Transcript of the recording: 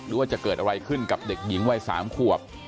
ว่าจะเกิดอะไรขึ้นกับเด็กหญิงวัย๓ขวบ